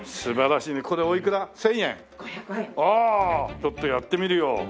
ちょっとやってみるよ。